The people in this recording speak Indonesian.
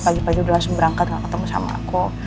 pagi pagi udah langsung berangkat gak ketemu sama aku